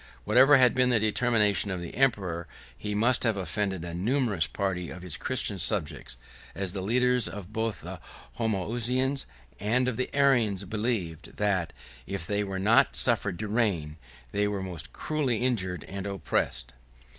Whatever had been the determination of the emperor, he must have offended a numerous party of his Christian subjects; as the leaders both of the Homoousians and of the Arians believed, that, if they were not suffered to reign, they were most cruelly injured and oppressed.